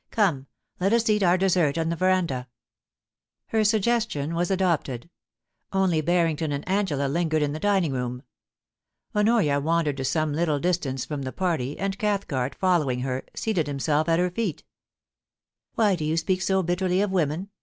' Come, let us eat our dessert in the veranda.' Her suggestion was adopted ; only Barrington and Angela MUSIC IN THE VERANDA. 185 lingered in the dining room. Honoria wandered to some little distance from the party, and Cathcart, following her, seated himself at her feet. * Why do you speak so bitterly of women ?'